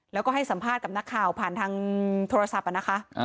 แล้วก็ให้สัมภาษณ์กับนักข่าวผ่านทางโทรศัพท์นะคะ